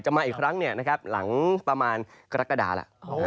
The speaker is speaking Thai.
จะมาอีกครั้งหลังประมาณราคาดาล